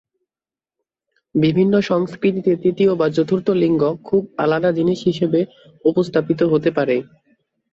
বিভিন্ন সংস্কৃতিতে তৃতীয় বা চতুর্থ লিঙ্গ খুব আলাদা জিনিস হিসাবে উপস্থাপিত হতে পারে।